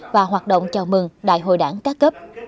và hoạt động chào mừng đại hội đảng các cấp